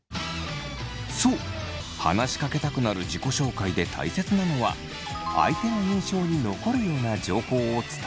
そう話しかけたくなる自己紹介で大切なのは相手の印象に残るような情報を伝えること。